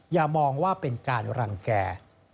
อย่ามองว่าเป็นการรังแก่